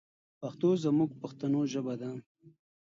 پښتو زموږ پښتنو ژبه ده.